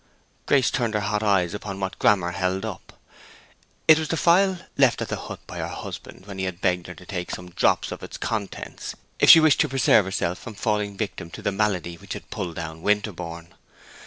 Grace turned her hot eyes upon what Grammer held up. It was the phial left at the hut by her husband when he had begged her to take some drops of its contents if she wished to preserve herself from falling a victim to the malady which had pulled down Winterborne.